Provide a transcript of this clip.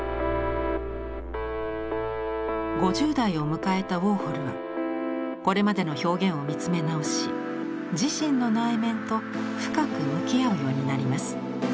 ５０代を迎えたウォーホルはこれまでの表現を見つめ直し自身の内面と深く向き合うようになります。